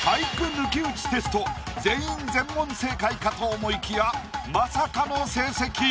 抜き打ちテスト全員全問正解かと思いきやまさかの成績。